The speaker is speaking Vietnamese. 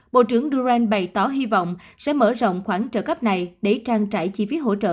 bộ trưởng durand bày tỏ hy vọng sẽ mở rộng khoản trợ cấp này để trang trải chi phí hỗ trợ